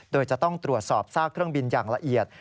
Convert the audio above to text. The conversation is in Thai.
โดยจะต้องตรวจสอบซากเครื่องบินอย่างละเอียด